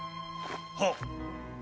はっ。